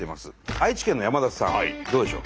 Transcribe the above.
愛知県の山田さんどうでしょう？